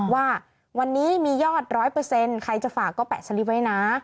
ว่าวันนี้มียอด๑๐๐ใครจะฝากก็แปะสลิปไว้นะ